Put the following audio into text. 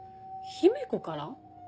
姫子から？